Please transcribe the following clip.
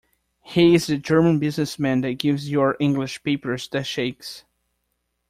He is the German business man that gives your English papers the shakes.